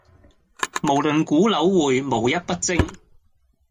無論股樓匯無一不精